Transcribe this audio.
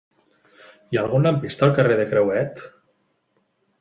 Hi ha algun lampista al carrer de Crehuet?